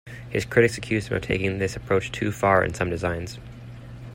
His critics accused him of taking this approach too far in some designs.